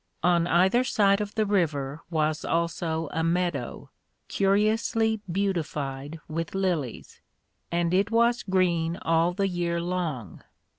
On either side of the River was also a Meadow, curiously beautified with Lilies; and it was green all the year long.